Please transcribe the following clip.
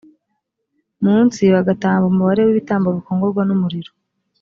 munsi bagatamba umubare w ibitambo bikongorwa n umuriro